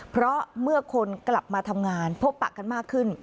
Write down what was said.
เพราะเมื่อคนกลับมาทำงานพบปะกันมากขึ้น